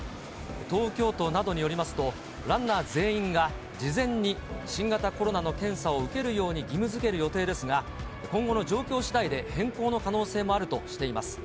東京都などによりますと、ランナー全員が事前に新型コロナの検査を受けるように義務づける予定ですが、今後の状況しだいで変更の可能性もあるとしています。